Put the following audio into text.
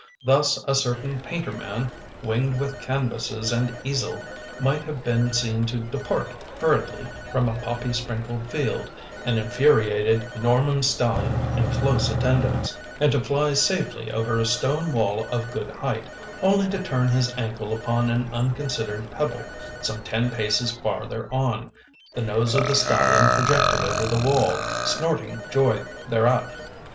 Thus a certain painter man, winged with canvases and easel, might have been seen to depart hurriedly from a poppy sprinkled field, an infuriated Norman stallion in close attendance, and to fly safely over a stone wall of good height, only to turn his ankle upon an unconsidered pebble, some ten paces farther on; the nose of the stallion projected over the wall, snorting joy thereat.